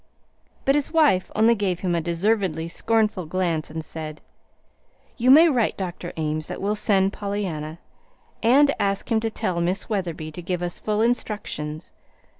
But his wife only gave him a deservedly scornful glance, and said: "You may write Dr. Ames that we'll send Pollyanna; and ask him to tell Miss Wetherby to give us full instructions.